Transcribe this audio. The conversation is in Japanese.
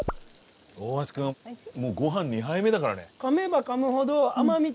大橋君もうご飯２杯目だからね。